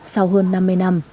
sau hơn năm mươi năm